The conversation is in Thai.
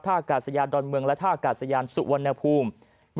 ถ้าอากาศสะยานดอนเมืองและถ้าอากาศสะยานสุวรรณภูมิ